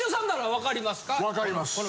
わかります。